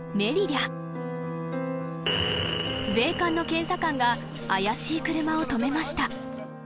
［税関の検査官が怪しい車を止めました］